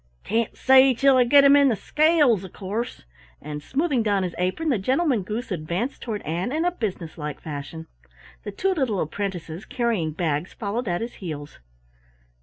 "Can't say till I get 'em in the scales, of course," and, smoothing down his apron, the Gentleman Goose advanced toward Ann in a businesslike fashion. The two little apprentices, carrying bags, followed at his heels.